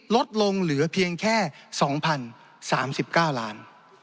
ลดลงเหลือเพียงแค่๒๐๓๙ล้าน